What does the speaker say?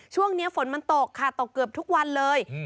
ช่วงนี้ฝนมันตกค่ะตกเกือบทุกวันเลย